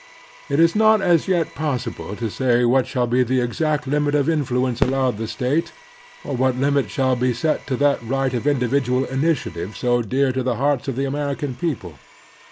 It is not as yet possible to say what shall be the exact limit of influence allowed the State, or what limit shall be set to that right of individual initiative so dear to the hearts of the American people.